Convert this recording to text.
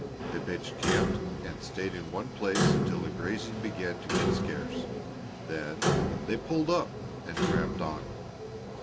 They pitched camp and stayed in one place until the grazing began to get scarce; then they "pulled up" and tramped on.